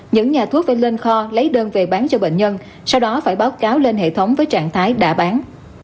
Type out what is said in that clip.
những nhà thuốc phải lên kho lấy đơn về bán cho bệnh nhân sau đó phải báo cáo lên hệ thống với trạng thái đã bán